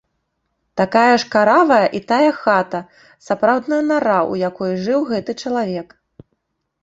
Такая ж каравая і тая хата, сапраўдная нара, у якой жыў гэты чалавек.